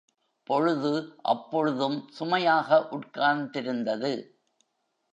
பொழுது அப்பொழுதும் சுமையாக உட்கார்ந்திருந்தது.